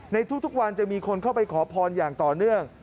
ในทุกวันจะมีคนเข้าไปขอพรอย่างต่อเนื่อง